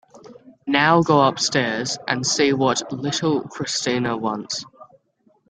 Now go upstairs and see what little Christina wants.